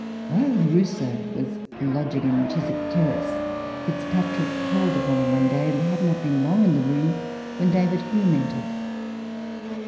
While Rousseau was lodging in Chiswick Terrace, Fitzpatrick called upon him one day, and had not been long in the room when David Hume entered.